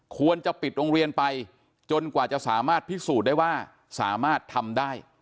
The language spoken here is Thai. ควรจะปิดโรงเรียนไปจนกว่าจะสามารถพิสูจน์ได้ว่าสามารถทำได้